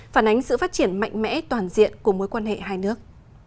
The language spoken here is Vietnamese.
phản ánh sự phát triển mạnh mẽ toàn diện của mối quan hệ hai nước